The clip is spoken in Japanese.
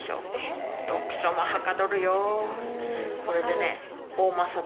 これでね。